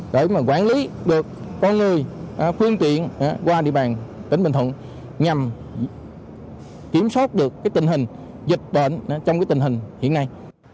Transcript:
để mà quản lý được người phương tiện qua địa bàn tỉnh bình thuận nhằm kiểm soát được tình hình dịch bệnh trong tình hình hiện nay